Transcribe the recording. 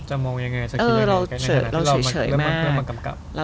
จะมองยังไงจะคิดยังไงในขณะที่เรามากำกับ